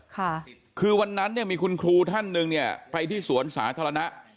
ค่ะคือวันนั้นเนี่ยมีคุณครูท่านหนึ่งเนี่ยไปที่สวนสาธารณะ